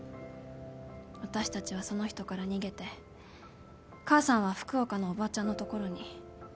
私たちはその人から逃げて母さんは福岡のおばちゃんの所に。